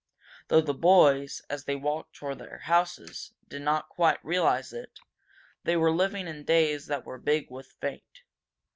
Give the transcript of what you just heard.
Though the boys, as they walked toward their homes, did not quite realize it, they were living in days that were big with fate.